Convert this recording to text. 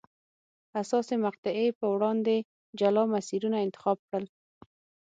حساسې مقطعې په وړاندې جلا مسیرونه انتخاب کړل.